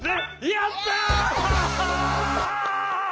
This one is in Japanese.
やった！